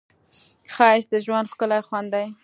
ښایست د ژوند ښکلی خوند دی